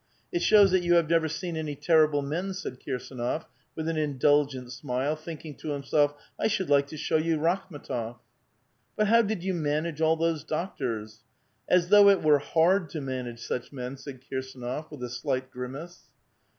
" It shows that vou have never seen anv temble men," said Kirsdnof, with an indulgient smile, thinking to himself, ••' I should like to show vou Rakhm^tof." " But how did you manage all those doctors?" " As though it were hard to manage such men !" said Kir sdnof, with a slight grimace.